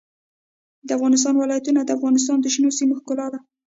د افغانستان ولايتونه د افغانستان د شنو سیمو ښکلا ده.